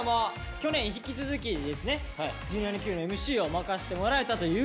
去年に引き続きですね「Ｊｒ．にＱ」のＭＣを任せてもらえたということで。